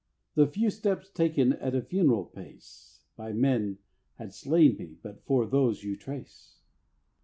The few steps taken at a funeral pace By men had slain me but for those you trace.